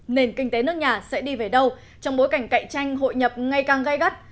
nền kinh tế nước nhà sẽ đi về đâu trong bối cảnh cạnh tranh hội nhập ngày càng gai gắt